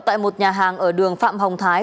tại một nhà hàng ở đường phạm hồng thái